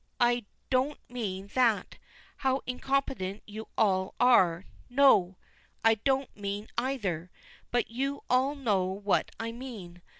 I don't mean that how incompetent you all are no! I don't mean either but you all know what I mean.